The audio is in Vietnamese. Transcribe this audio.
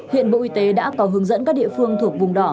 hiện bộ y tế đã có hướng dẫn các địa phương thuộc vùng đỏ